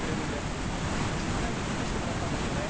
実際に試してもらったんですよね？